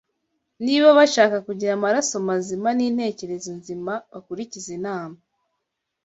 niba bashaka kugira amaraso mazima n’intekerezo nzima bakurize inama